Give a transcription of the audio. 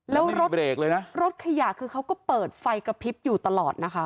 แล้วรถขยะคือเขาก็เปิดไฟกระพริบอยู่ตลอดนะคะ